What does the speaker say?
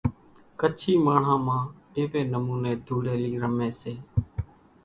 ڪڇي ماڻۿان مان ايوي نموني ڌوڙيلي رمي سي۔